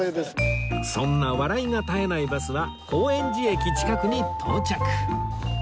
そんな笑いが絶えないバスは高円寺駅近くに到着